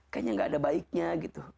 kayaknya gak ada baiknya gitu